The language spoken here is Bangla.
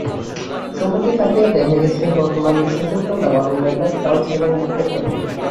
সম্প্রতি তাঁকে দেখা গেছে বর্তমানে বিশ্বচ্যাম্পিয়ন দাবাড়ু ম্যাগনাস কার্লসেনের মুখোমুখি হতে।